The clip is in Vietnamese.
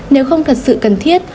nếu không thật sự cần thiết